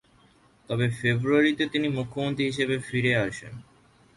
তবে ফেব্রুয়ারিতে তিনি মুখ্যমন্ত্রী হিসেবে ফিরে আসেন।